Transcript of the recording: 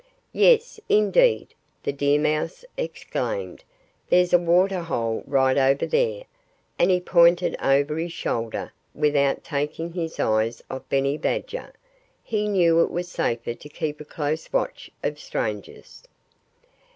"Yes, indeed!" the deer mouse exclaimed. "There's a water hole right over there!" And he pointed over his shoulder, without taking his eyes off Benny Badger. He knew it was safer to keep a close watch of strangers.